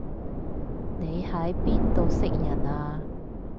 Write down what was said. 你喺邊度識人啊